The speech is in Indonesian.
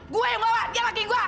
gue yang bawa dia lagi yang gua